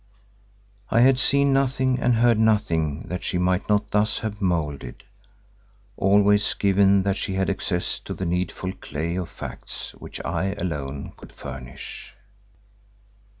I had seen nothing and heard nothing that she might not thus have moulded, always given that she had access to the needful clay of facts which I alone could furnish.